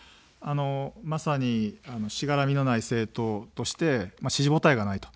まさに、しがらみのない政党として、支持母体がないと。